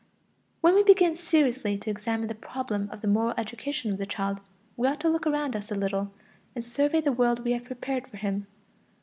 When we begin seriously to examine the problem of the moral education of the child, we ought to look around us a little, and survey the world we have prepared for him.